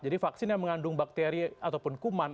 jadi vaksin yang mengandung bakteri ataupun kuman